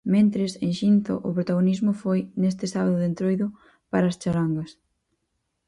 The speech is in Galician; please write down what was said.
Mentres, en Xinzo, o protagonismo foi, neste sábado de Entroido, para as charangas.